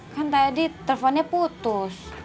kan tadi teleponnya putus